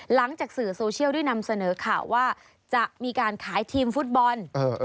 หลังจากสื่อโซเชียลได้นำเสนอข่าวว่าจะมีการขายทีมฟุตบอล